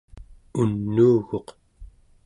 unuuguq